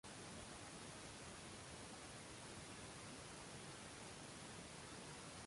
• Yo‘l bo‘yidagi uyni uch yilda ham bitkazolmaysan.